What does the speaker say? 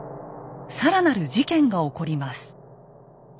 さらなる事件が起こります。